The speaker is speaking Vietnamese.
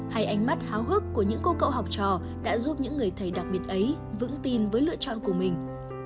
hay ánh mắt háo hức của những cô cậu học trò đã giúp những người thầy đặc biệt ấy vững tin với lựa chọn của mình